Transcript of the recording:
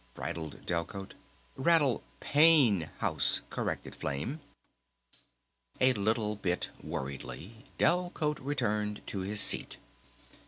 bridled Delcote. "Rattle Pane House," corrected Flame. A little bit worriedly Delcote returned to his seat.